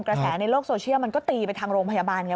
กระแสในโลกโซเชียลมันก็ตีไปทางโรงพยาบาลไง